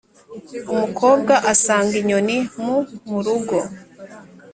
umukobwa asanga inyoni mu murugo